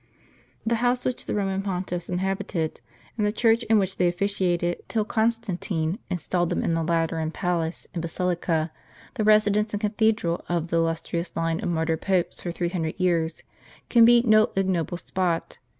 The house which the Roman Pontiffs inhabited, and the church in which they officiated till Constantine installed them in the Lateran palace and basilica, the residence and cathe dral of the illustrious line of martyr popes for 300 years, can be no ignoble spot.